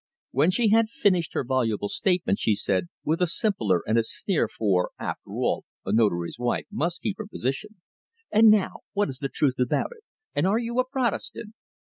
When she had finished her voluble statement she said, with a simper and a sneer for, after all, a Notary's wife must keep her position "And now, what is the truth about it? And are you a Protestant?"